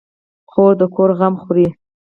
خور د کور غم خوري.